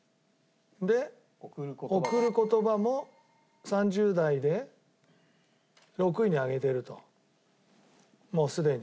で『贈る言葉』も３０代で６位に上げてるともうすでに。